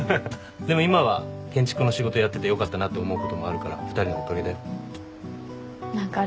でも今は建築の仕事やっててよかったなって思うこともあるから２人のおかげだよ。何かあれだね。